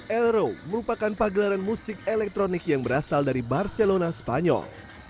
elro merupakan pagelaran musik elektronik yang berasal dari barcelona spanyol